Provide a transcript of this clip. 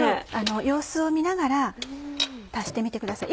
様子を見ながら足してみてください。